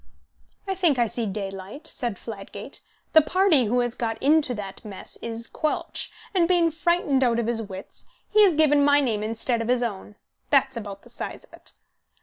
"I think I see daylight," said Fladgate. "The party who has got into that mess is Quelch, and, being frightened out of his wits, he has given my name instead of his own. That's about the size of it!"